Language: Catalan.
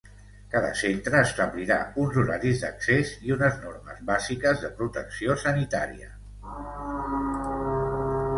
Cada centre establirà uns horaris d’accés i unes normes bàsiques de protecció sanitària.